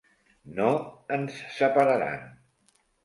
No ens separaran.